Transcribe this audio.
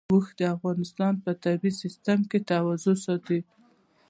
اوښ د افغانستان د طبعي سیسټم توازن ساتي.